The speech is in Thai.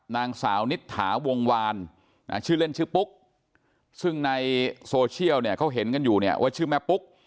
นางสาวนิษฐาวงวานชื่อเล่นชื่อปุ๊กซึ่งในโซเชียลเนี่ยเขาเห็นกันอยู่เนี่ยว่าชื่อแม่ปุ๊ก